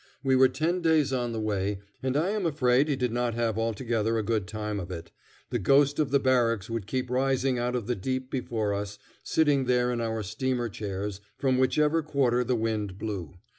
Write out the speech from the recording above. We were ten days on the way, and I am afraid he did not have altogether a good time of it. The ghost of the Barracks would keep rising out of the deep before us, sitting there in our steamer chairs, from whichever quarter the wind blew.